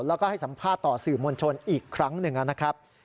แล้วก็ให้สัมภาษณ์ต่อสื่อมวลชนอีกครั้งหนึ่งนะครับ